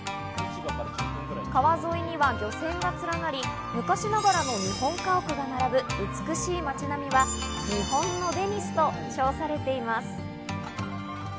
川沿いには漁船がつらなり昔ながらの日本家屋が並ぶ美しい街並みは、日本のベニスと称されています。